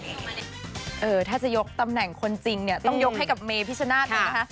ถ้าจะยกตำแหน่งคนจริงเนี่ยต้องยกให้กับเมพิชนาธิ์เลยนะคะ